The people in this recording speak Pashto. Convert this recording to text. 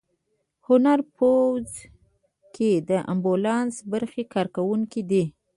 هنري په پوځ کې د امبولانس برخې کارکوونکی دی.